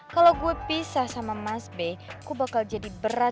kalau gue pisah sama mas be gue bakal jadi berantakan